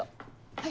はい？